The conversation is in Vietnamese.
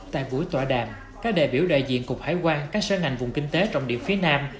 tại buổi tọa đàm các đại biểu đại diện cục hải quan các sở ngành vùng kinh tế trọng điểm phía nam